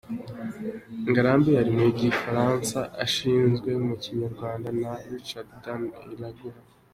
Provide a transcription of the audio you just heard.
Ngarambe yari mu Gifaransa ishyizwe mu Kinyarwanda na Richard Dan Iraguha.